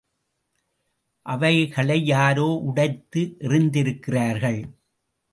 அவைகளை யாரோ உடைத்து எறிந்திருக்கிறார்கள்.